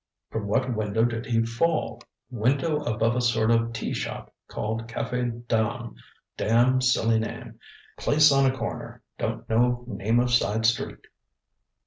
From what window did he fall? ŌĆØ ŌĆ£Window above a sort of teashop, called Cafe Dame damn silly name. Place on a corner. Don't know name of side street.